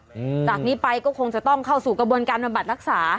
จากนี้ไปก็คงจะต้องเข้าสู่กระบวนการบำบัดรักษา